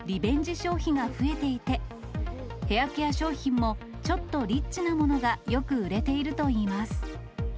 消費が増えていて、ヘアケア商品も、ちょっとリッチなものがよく売れているといいます。